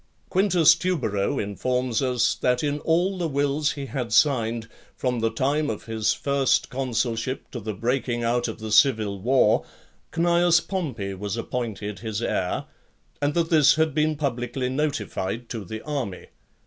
Quintus Tubero informs us, that in all the wills he had signed, from the time of his first consulship to the breaking out of the civil war, Cneius Pompey was appointed his heir, and that this had been publicly notified to the army.